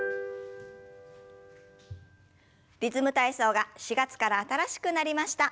「リズム体操」が４月から新しくなりました。